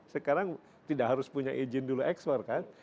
sekarang tidak harus punya izin dulu ekspor kan